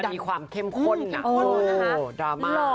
มีความเข้มข้นดราม่า